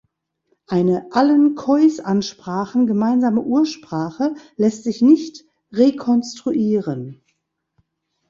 Eine allen Khoisansprachen gemeinsame Ursprache lässt sich nicht rekonstruieren.